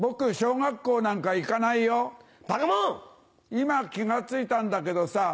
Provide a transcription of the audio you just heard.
今気が付いたんだけどさ